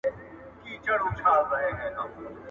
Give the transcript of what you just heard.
خلګو د خپل هېواد دفاع وکړه.